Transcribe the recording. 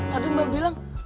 tadi mbak bilang